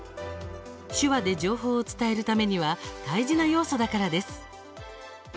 手話で情報を伝えるためには大事な要素だからです。